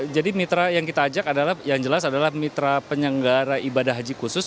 mitra yang kita ajak adalah yang jelas adalah mitra penyelenggara ibadah haji khusus